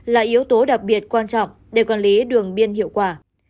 là yếu tố đặc biệt quan trọng để quản lý đường biên hiệu quả